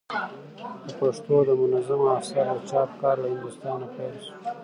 د پښتو دمنظومو آثارو د چاپ کار له هندوستانه پيل سو.